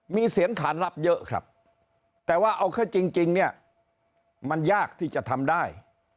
มีเสียงขานรับเยอะครับแต่ว่าเอาแค่จริงเนี่ยมันยากที่จะทำได้